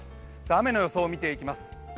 雨の予想を見ていきます。